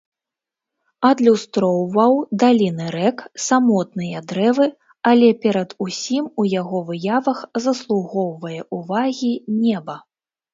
Адлюстроўваў даліны рэк, самотныя дрэвы, але перад усім у яго выявах заслугоўвае ўвагі неба.